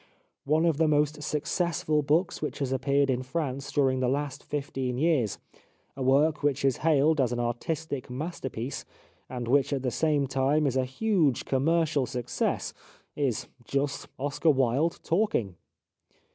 One of the most successful books which has appeared in France during the last fifteen years, a work which is hailed as an artistic masterpiece, and which at the same time is a huge commercial success, is just Wilde talking.